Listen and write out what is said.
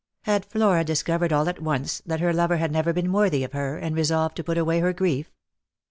Had Flora discovered all at once that her lover had never been worthy of her, and resolved to put away her grief?